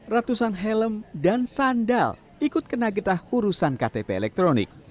ratusan helm dan sandal ikut kena getah urusan ktp elektronik